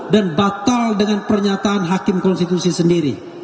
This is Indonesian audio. dan batal dengan pernyataan hakim konstitusi sendiri